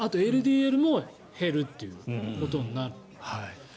ＬＤＬも減るということになる。